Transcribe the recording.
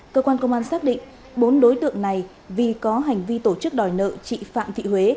cơ quan công an xác định bốn đối tượng này vì có hành vi tổ chức đòi nợ chị phạm thị huế